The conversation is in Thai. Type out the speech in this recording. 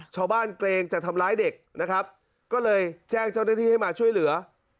เกรงจะทำร้ายเด็กนะครับก็เลยแจ้งเจ้าหน้าที่ให้มาช่วยเหลือ